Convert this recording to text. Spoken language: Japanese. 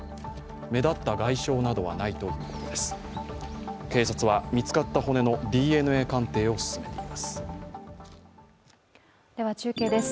目立った外傷などはないということです。